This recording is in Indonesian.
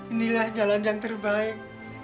inilah jalan yang terbaik